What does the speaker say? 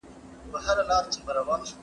استاد له اوږدې مودې راهیسې تدریس کوي.